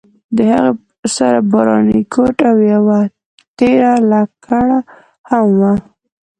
د هغې سره باراني کوټ او یوه تېره لکړه هم وه.